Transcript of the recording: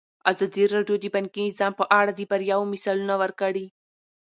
ازادي راډیو د بانکي نظام په اړه د بریاوو مثالونه ورکړي.